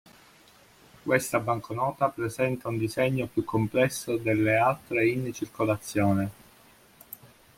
Questa banconota presenta un disegno più complesso delle altre in circolazione.